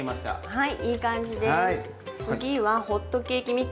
はい。